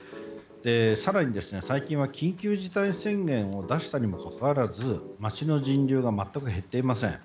更に、最近は緊急事態宣言を出したにもかかわらず街の人流が全く減っていません。